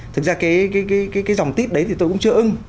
thực ra cái dòng tít đấy thì tôi cũng chưa ưng